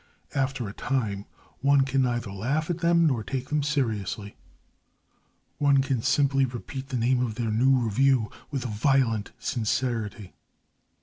After a time one can neither laugh at them nor take them seriously. One can simply repeat the name of their new review with violent sincerity.